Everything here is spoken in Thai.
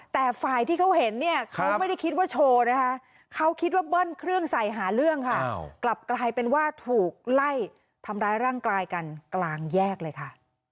แต่ฝ่ายที่เขาเห็นเนี่ยเขาไม่ได้คิดว่าโชว์นะคะเขาคิดว่าเบิ้ลเครื่องใส่หาเรื่องค่ะกลับกลายเป็นว่าถูกไล่ทำร้ายร่างกายกันกลางแยกเลยค่ะ